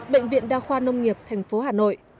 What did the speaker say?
bệnh viện đa khoa nông nghiệp thành phố hà nội